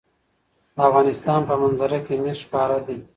د افغانستان په منظره کې مس ښکاره ده.